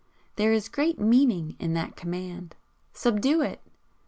There is great meaning in that command 'Subdue it!'